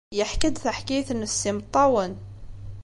Yeḥka-d taḥkayt-nnes s yimeṭṭawen.